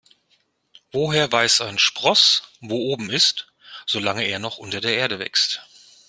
Woher weiß ein Spross, wo oben ist, solange er noch unter der Erde wächst?